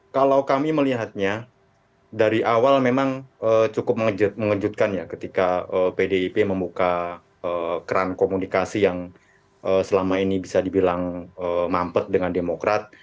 kalau kami melihatnya dari awal memang cukup mengejutkan ya ketika pdip membuka keran komunikasi yang selama ini bisa dibilang mampet dengan demokrat